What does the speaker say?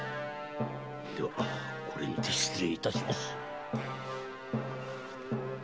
ではこれにて失礼致します。